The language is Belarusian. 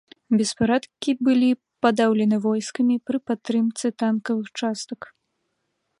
Беспарадкі былі падаўлены войскамі пры падтрымцы танкавых частак.